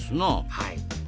はい。